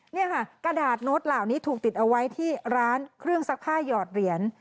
นี่ค่ะกระดาษโน้ตเหล่านี้ถูกติดเอาไว้ที่ร้านเครื่องซักผ้าหยอดเหรียญ